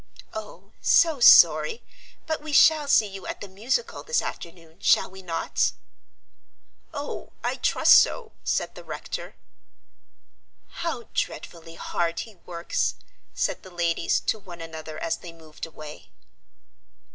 Oh, so sorry! but we shall see you at the musicale this afternoon, shall we not?" "Oh, I trust so," said the rector. "How dreadfully hard he works," said the ladies to one another as they moved away.